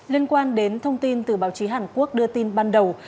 liên quan đến thông tin từ báo chí hàn quốc đưa tin ban đầu